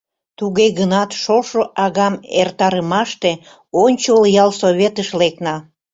Туге гынат шошо агам эртарымаште ончыл ялсоветыш лекна.